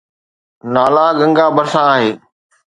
تالا گنگا ڀرسان آهي.